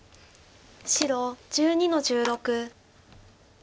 白１２の十六。